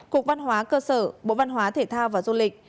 cục văn hóa cơ sở bộ văn hóa thể thao và du lịch